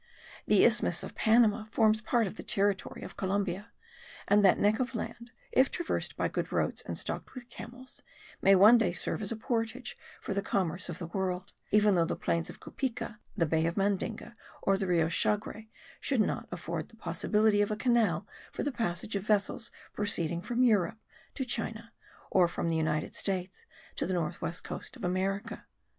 The isthmus of Panama forms part of the territory of Columbia, and that neck of land, if traversed by good roads and stocked with camels, may one day serve as a portage for the commerce of the world, even though the plains of Cupica, the bay of Mandinga or the Rio Chagre should not afford the possibility of a canal for the passage of vessels proceeding from Europe to China,* or from the United States to the north west coast of America.